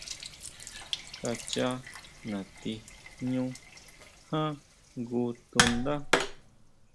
Kachá natí jñú ján jngu tundá.